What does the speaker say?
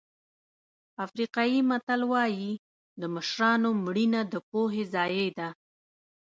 افریقایي متل وایي د مشرانو مړینه د پوهې ضایع ده.